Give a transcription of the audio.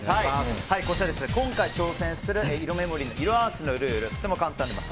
今回、挑戦するイロメモリーの色あわせのルールとても簡単です。